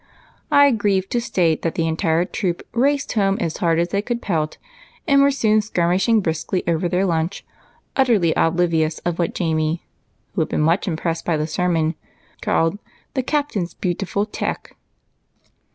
I grieve to state that the entire troop raced home as hard as they could pelt, and were soon skirmishing briskly over their lunch, utterly oblivious of what Jamie (who had been much impressed by the sermon) called " the captain's beautiful teck."